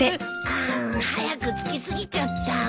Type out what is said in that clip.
あーん早く着き過ぎちゃった。